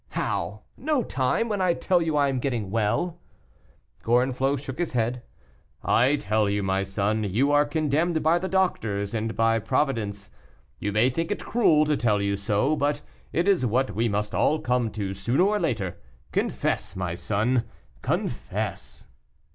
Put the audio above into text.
"How! no time, when I tell you I am getting well?" Gorenflot shook his head. "I tell you, my son, you are condemned by the doctors and by Providence; you may think it cruel to tell you so, but it is what we must all come to sooner or later. Confess, my son, confess."